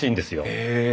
へえ。